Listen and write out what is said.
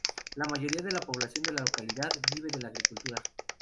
La mayoría de la población de la localidad vive de la agricultura.